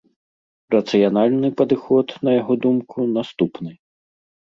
Рацыянальны падыход, на яго думку, наступны.